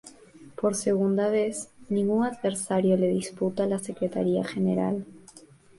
Por segunda vez, ningún adversario le disputa la Secretaría General.